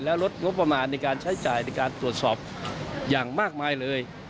และลดงบประมาณในการใช้จ่ายในการตรวจสอบอย่างมากมายเลย